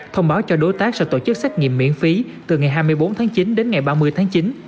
từ ngày hai mươi bốn tháng chín đến ngày ba mươi tháng chín